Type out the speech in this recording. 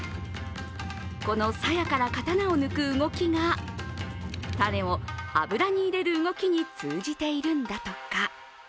このさやから刀を抜く動きがタネを油に入れる動きに通じているんだとか。